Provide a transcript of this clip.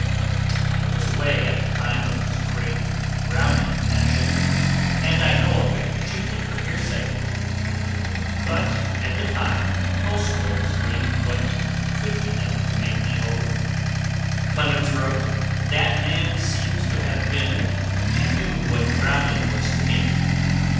I was away at the time of his great Browning passion, and I know of it chiefly from hearsay; but at the time Tolstoy was doing what could be done to make me over Clemens wrote, "That man seems to have been to you what Browning was to me."